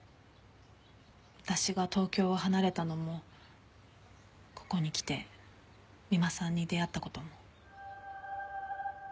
私が東京を離れたのもここに来て三馬さんに出会った事も。